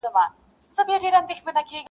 • چي زه نه یم هستي ختمه، چي زه نه یم بشر نسته -